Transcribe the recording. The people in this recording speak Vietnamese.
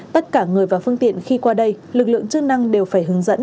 tất cả người và phương tiện khi qua đây lực lượng chức năng đều phải hướng dẫn